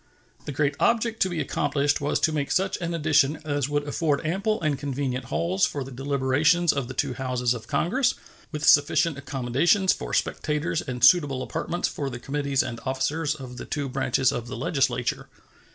The great object to be accomplished was to make such an addition as would afford ample and convenient halls for the deliberations of the two Houses of Congress, with sufficient accommodations for spectators and suitable apartments for the committees and officers of the two branches of the Legislature.